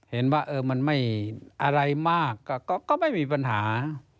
เห็นว่ามันไม่อะไรมากก็ไม่มีปัญหา